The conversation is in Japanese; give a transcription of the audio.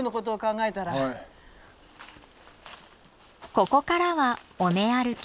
ここからは尾根歩き。